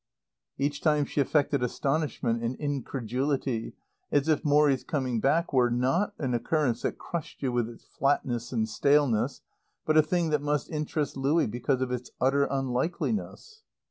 Each time she affected astonishment and incredulity, as if Morrie's coming back were, not a recurrence that crushed you with its flatness and staleness, but a thing that must interest Louie because of its utter un likeliness.